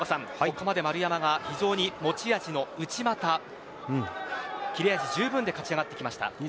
ここまで丸山が非常に持ち味の内股は切れ味じゅうぶんで勝ち上がってきました。